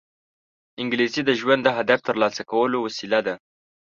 انګلیسي د ژوند د هدف ترلاسه کولو وسیله ده